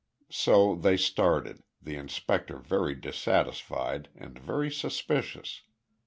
So they started, the inspector very dissatisfied and very suspicious.